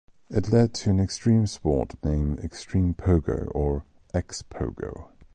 It led to an extreme sport named extreme pogo or "Xpogo".